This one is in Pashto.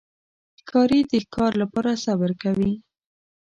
ښکاري د ښکار لپاره صبر کوي.